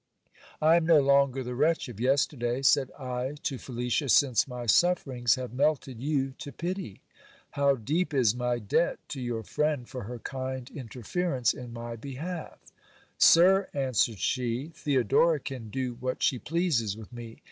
I am no longer the wretch of yesterday, said I to Felicia, since my sufferings have melted you to pity. How deep is my debt to your friend for her kind interference in my behalf. Sir, answered she, Theodora can do what she pleases with me.